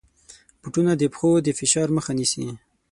بوټونه د پښو د فشار مخه نیسي.